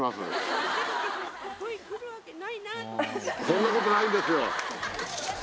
そんなことないんですよ。